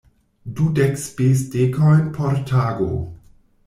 Dudek spesdekojn por tago!